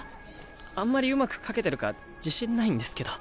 あんまりうまく描けてるか自信ないんですけど。